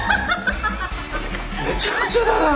めちゃくちゃだな！